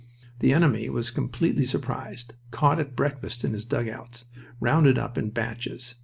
The enemy was completely surprised, caught at breakfast in his dugouts, rounded up in batches.